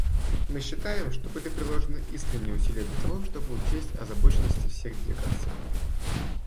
Мы считаем, что были приложены искренние усилия для того, чтобы учесть озабоченности всех делегаций.